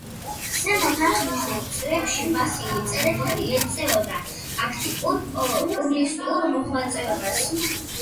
ზემოთ აღნიშნულ წლებში ვასილ წერეთელი ეწეოდა აქტიურ პუბლიცისტურ მოღვაწეობას.